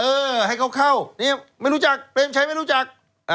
เออให้เข้าไม่รู้จักเตรียมใช้ไม่รู้จัก